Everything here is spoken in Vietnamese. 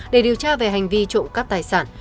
để điều tra về hành vi trộm cắp tài sản